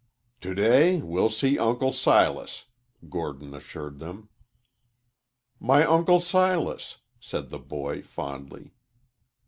"To day we'll see Uncle Silas," Gordon assured them. "My Uncle Silas!" said the boy, fondly.